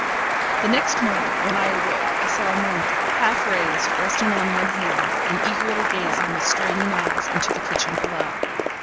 The next morning, when I awoke, I saw Amante, half raised, resting on one hand, and eagerly gazing, with straining eyes, into the kitchen below.